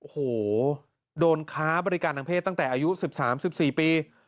โหโดนค้าบริการพฤตั้งแต่อายุ๑๓๑๔ปี